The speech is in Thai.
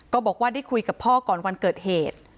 บอกว่าได้คุยกับพ่อก่อนวันเกิดเหตุ